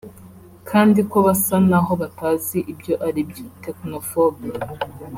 kandi ko basa n’aho batazi ibyo ari byo (technophobe)